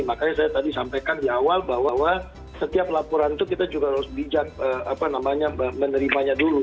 makanya saya tadi sampaikan di awal bahwa setiap laporan itu kita juga harus bijak menerimanya dulu